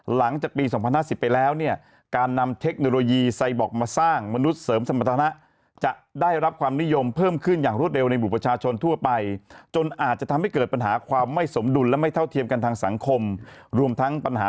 หลังจากปี๒๐๕๐ไปแล้วการนำเทคโนโลยีไซบอกมาสร้างมนุษย์เสริมสมรรถนะ